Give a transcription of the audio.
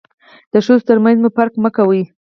د ښځو تر منځ مو فرق مه کوئ.